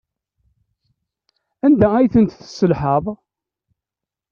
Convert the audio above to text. Anda ay ten-tesselhaḍ?